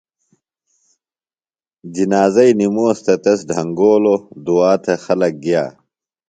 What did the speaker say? جنازئیۡ نِموس تھےۡ تس ڈھنگولوۡ دعا تھےۡ خلک گِیہ ۔